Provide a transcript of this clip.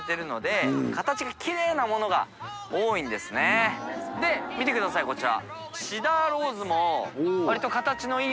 覆个拭で見てくださいこちら。